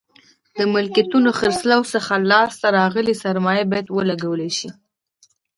د ملکیتونو خرڅلاو څخه لاس ته راغلې سرمایه باید ولګول شي.